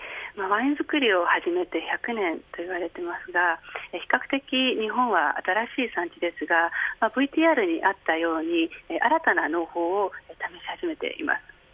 ワイン造りを始めて１００年といわれていますが比較的日本は新しい産地ですがＶＴＲにあったように新たな農法を試し始めています。